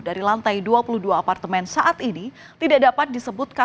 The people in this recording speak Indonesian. dari lantai dua puluh dua apartemen saat ini